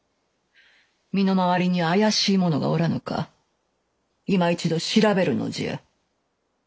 身の回りに怪しい者がおらぬかいま一度調べるのじゃ。